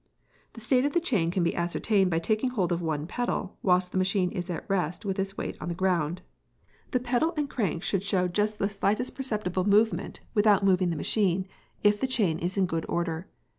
The state of the chain can be ascertained by taking hold of one pedal, whilst the machine is at rest with its weight on the ground. The pedal and crank should just show the slightest perceptible movement, without moving the machine, if the chain is in good order.